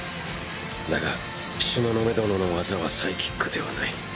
だが東雲殿の技はサイキックではない。